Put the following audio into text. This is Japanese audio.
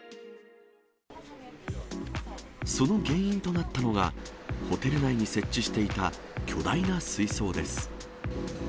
その原因となったのが、ホテル内に設置していた巨大な水槽です。